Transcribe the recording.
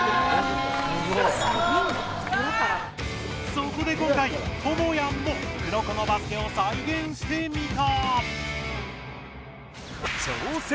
そこで今回、ともやんも「黒子のバスケ」を再現してみた。